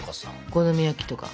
お好み焼きとか。